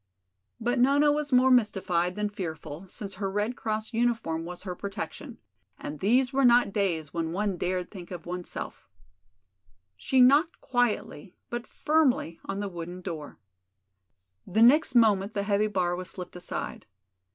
But Nona was more mystified than fearful since her Red Cross uniform was her protection, and these were not days when one dared think of oneself. She knocked quietly but firmly on the wooden door. The next moment the heavy bar was slipped aside.